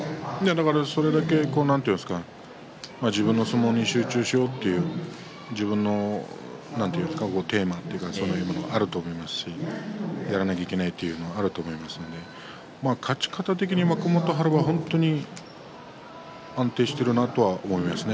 それだけ自分の相撲に集中しようという自分のテーマというかそういうものがあると思いますしやらなければいけないというのがあると思いますので勝ち方的に若元春は、本当に安定しているなと思いますね